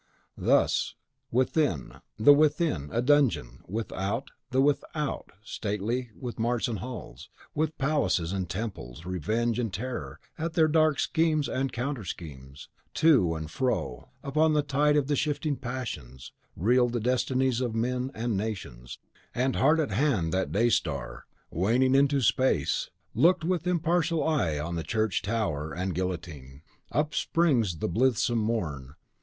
Thus, within, THE WITHIN, a dungeon; without, the WITHOUT, stately with marts and halls, with palaces and temples; Revenge and Terror, at their dark schemes and counter schemes; to and fro, upon the tide of the shifting passions, reeled the destinies of men and nations; and hard at hand that day star, waning into space, looked with impartial eye on the church tower and the guillotine. Up springs the blithesome morn.